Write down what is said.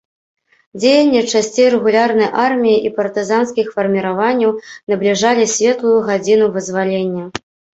Дзеянні часцей рэгулярнай арміі і партызанскіх фарміраванняў набліжалі светлую гадзіну вызвалення.